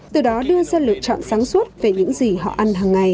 từ đó đưa ra lựa chọn sáng suốt về những gì họ ăn hàng ngày